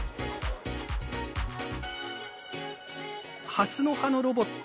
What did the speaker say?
ハスの葉のロボット